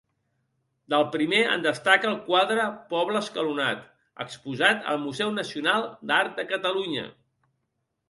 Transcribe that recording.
Del primer, en destaca el quadre Poble escalonat, exposat al Museu Nacional d'Art de Catalunya.